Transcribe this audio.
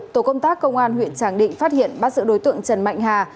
tổ công tác công an huyện tràng định phát hiện bắt giữ đối tượng trần mạnh hà